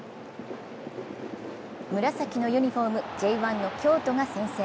紫のユニフォーム・Ｊ１の京都が先制。